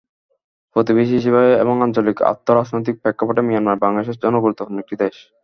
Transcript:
প্রতিবেশী হিসেবে এবং আঞ্চলিক আর্থ-রাজনৈতিক প্রেক্ষাপটে মিয়ানমার বাংলাদেশের জন্য গুরুত্বপূর্ণ একটি দেশ।